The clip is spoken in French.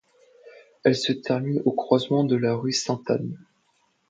Elle se termine au croisement de la rue Sainte-Anne.